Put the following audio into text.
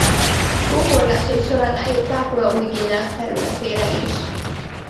Kóborlásai során eljut Pápua Új-Guinea területére is.